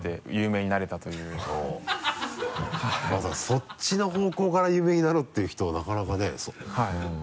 そっちの方向から有名になろうっていう人はなかなかね新しい。